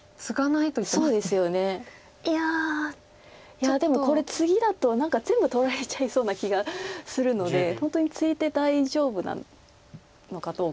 いやでもこれツギだと何か全部取られちゃいそうな気がするので本当にツイで大丈夫なのかどうか。